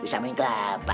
bisa main kelapa